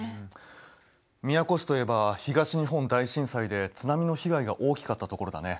宮古市といえば東日本大震災で津波の被害が大きかった所だね。